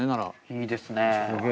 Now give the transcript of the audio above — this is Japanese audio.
いいですね。